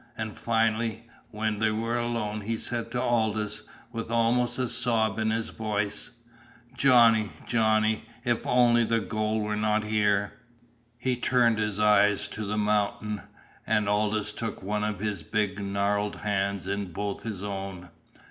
And finally, when they were alone, he said to Aldous, with almost a sob in his voice: "Johnny Johnny, if on'y the gold were not here!" He turned his eyes to the mountain, and Aldous took one of his big gnarled hands in both his own.